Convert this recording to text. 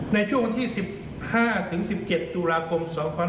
ในช่วงวันที่๑๕๑๗ตุลาคม๒๕๖๒